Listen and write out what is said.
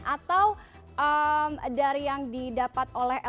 atau dari yang didapat oleh lp